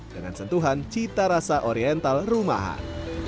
dengan sentuhan cita rasa oriental rumahan